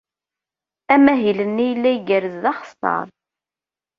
Amahil-nni yella igerrez d axeṣṣar.